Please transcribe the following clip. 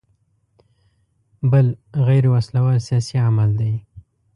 بل غیر وسله وال سیاسي عمل دی.